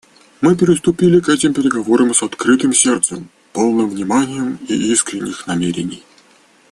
Мы приступили к этим переговорам с открытым сердцем, полные внимания и искренних намерений.